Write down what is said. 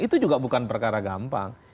itu juga bukan perkara gampang